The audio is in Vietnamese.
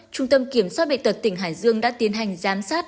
trung tâm kiểm soát bệnh tật tỉnh hải dương đã tiến hành giám sát